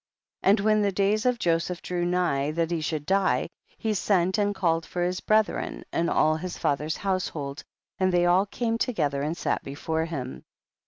21. And when the days of Joseph drew nigh that he should die, he sent and called for his brethren and all his father's household, and they all came together and sat before him.